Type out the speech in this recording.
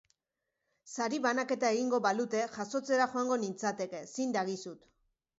Sari banaketa egingo balute, jasotzera joango nintzateke, zin dagizut.